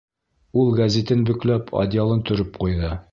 Ул гәзитен бөкләп, одеялын төрөп ҡуйҙы.